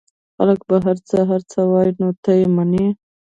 خلک به هرڅه هرڅه وايي نو ته يې منې؟